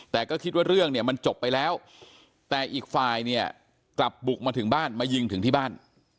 แต่ก็คิดว่าเรื่องเนี่ยมันจบไปแล้วแต่อีกฝ่ายเนี่ยกลับบุกมาถึงบ้านมายิงถึงที่บ้าน